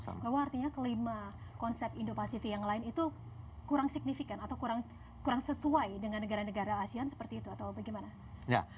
bahwa artinya kelima konsep indo pasifik yang lain itu kurang signifikan atau kurang sesuai dengan negara negara asean seperti itu atau bagaimana